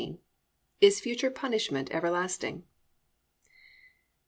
XV IS FUTURE PUNISHMENT EVERLASTING?